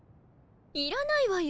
いらないわよ